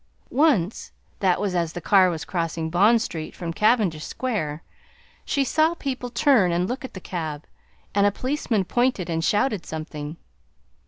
Once, that was as the car was crossing Bond Street from Cavendish Square, she saw people turn and look at the cab and a policeman pointed and shouted something.